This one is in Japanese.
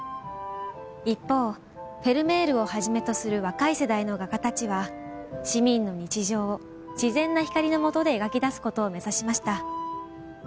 一方フェルメールをはじめとする若い世代の画家たちは市民の日常を自然な光のもとで描き出すことを目指しました。